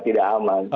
karena tidak aman